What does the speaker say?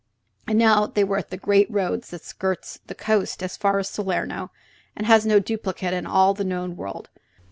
And now they were on the great road that skirts the coast as far as Salerno, and has no duplicate in all the known world.